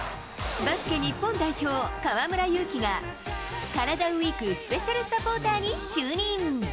バスケ日本代表、河村勇輝が、カラダＷＥＥＫスペシャルサポーターに就任。